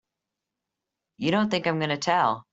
You don't think I'm gonna tell!